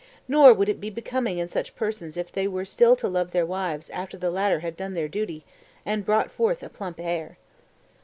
Nor would it be becoming in such persons if they were still to love their wives after the latter had done their duty and brought forth a plump heir."